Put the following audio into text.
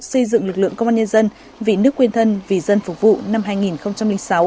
xây dựng lực lượng công an nhân dân vì nước quên thân vì dân phục vụ năm hai nghìn sáu